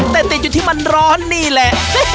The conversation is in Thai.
แต่ติดอยู่ที่มันร้อนนี่แหละ